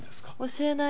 教えない。